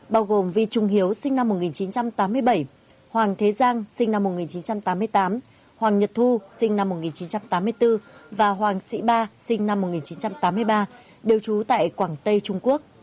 bao gồm vi trung hiếu sinh năm một nghìn chín trăm tám mươi bảy hoàng thế giang sinh năm một nghìn chín trăm tám mươi tám hoàng nhật thu sinh năm một nghìn chín trăm tám mươi bốn và hoàng sĩ ba sinh năm một nghìn chín trăm tám mươi ba đều trú tại quảng tây trung quốc